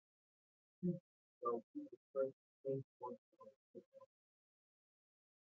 Sigi shall be the first deemed worthy of such honor.